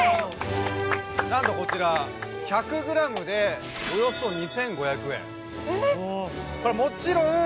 何とこちら１００ｇでおよそ２５００円